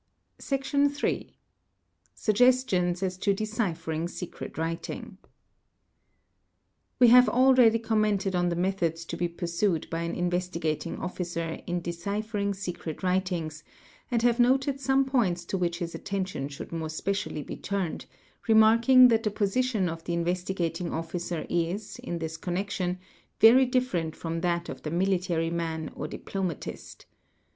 ledaed id 610 CIPHERS Section. iii.—Suggestions as to deciphering secret writing. We have already commented on the methods to be pursued by an Investigating Officer in deciphering secret writings and have noted some points to which his attention should more especially be turned, remark ing that the position of the Investigating Officer is, in this connection, very different from that of the military man or diplomatist.